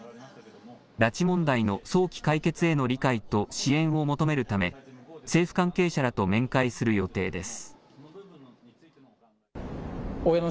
拉致問題の早期解決への理解と支援を求めるため政府関係者らと面会する予定です。